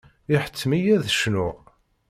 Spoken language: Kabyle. Iḥettem-iyi ad cnuɣ.